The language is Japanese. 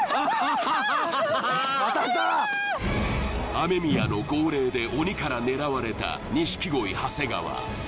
ＡＭＥＭＩＹＡの号令で鬼から狙われた錦鯉長谷川